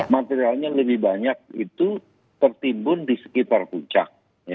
materialnya lebih banyak itu tertimbun di sekitar puncak